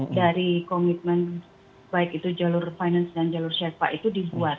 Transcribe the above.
dari komitmen baik itu jalur finance dan jalur shezpa itu dibuat